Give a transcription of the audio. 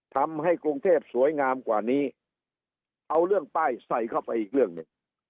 ทำให้กรุงเทพสวยงามกว่านี้เอาเรื่องป้ายใส่เข้าไปอีกเรื่องหนึ่ง